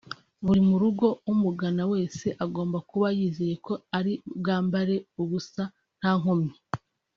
Buri mugore umugana wese agomba kuba yizeye ko ari bwambare ubusa nta nkomyi